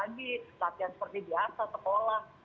tapi di latihan seperti biasa tekolah